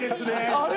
あれ？